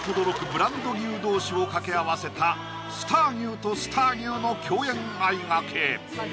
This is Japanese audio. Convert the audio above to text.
ブランド牛同士を掛け合わせたスター牛とスター牛の競演あいがけ